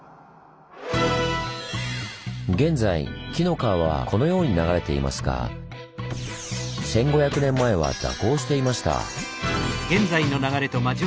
現在紀の川はこのように流れていますが１，５００年前は蛇行していました。